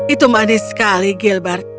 itu manis sekali gilbert